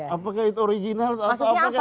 apakah itu original atau apa itu artificial gitu